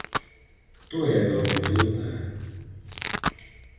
To je velmi mrzuté.